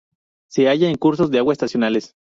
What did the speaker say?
Se halla en cursos de agua estacionales.